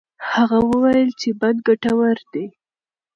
هغه وویل چې بند ګټور دی.